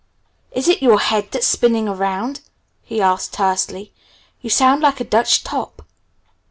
"Is it your head that's spinning round?" he asked tersely. "You sound like a Dutch top!"